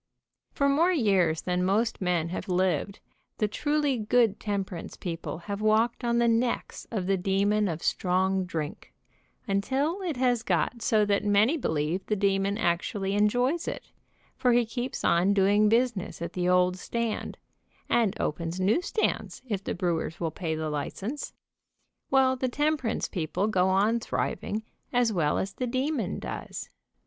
For more years than most men have lived the truly good temperance people have walked on the necks of the demon of strong drink, until it has got so that many believe the demon actually enjoys it, for he keeps on doing busi ness at the old stand, and opens new stands if the brewers will pay the license, while the temperance people go on thriving as well as the "demon" does.